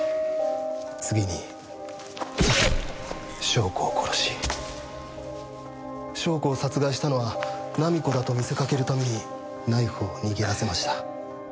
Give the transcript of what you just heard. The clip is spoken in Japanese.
翔子を殺し翔子を殺害したのは菜実子だと見せかけるためにナイフを握らせました。